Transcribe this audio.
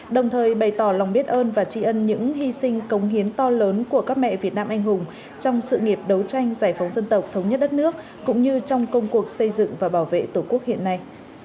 đồng thời bày tỏ lòng biết ơn và tri ân những hy sinh công hiến to lớn của các mẹ việt nam anh hùng trong sự nghiệp đấu tranh giải phóng dân tộc thống nhất đất nước cũng như trong công cuộc xây dựng và bảo vệ tổ quốc hiện nay